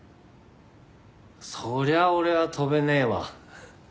そりゃ俺は跳べねえわ。